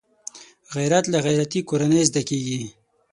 غیرت له غیرتي کورنۍ زده کېږي